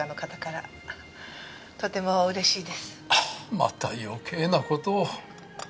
また余計な事を。